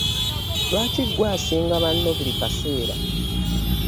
Lwaki ggwe asinga banno buli kaseera?